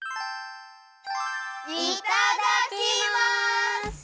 いただきます！